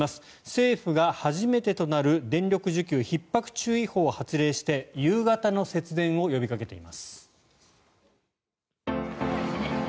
政府が初めてとなる電力需給ひっ迫注意報を発表して夕方の節電を呼びかけています。